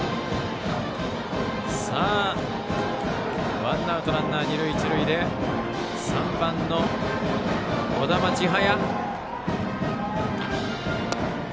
さあ、ワンアウトランナー、二塁一塁で３番の児玉知駿。